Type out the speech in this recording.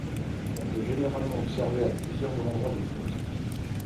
On peut également observer à plusieurs endroits des phoques.